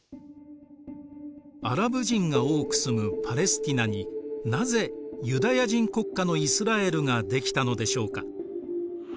アラブ人が多く住むパレスティナになぜユダヤ人国家のイスラエルが出来たのでしょうか。